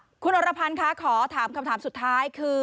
คุณอรพันธ์คะขอถามคำถามสุดท้ายคือ